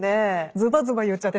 ズバズバ言っちゃって。